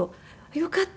「よかった。